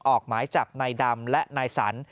ออกหมายจับในดำและในสัน